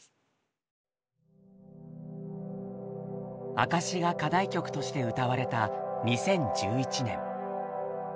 「証」が課題曲として歌われた２０１１年。